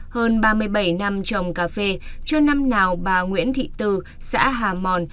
hơn ba mươi bảy năm trồng cà phê cho năm nào bà nguyễn thị từ xã hà mòn